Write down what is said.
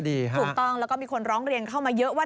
ถูกต้องแล้วก็มีคนร้องเรียนเข้ามาเยอะว่า